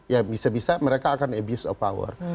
ya bisa bisa mereka akan abuse of power